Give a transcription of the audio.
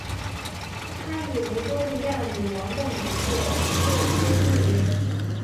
他以维多利亚女王的名字为之命名。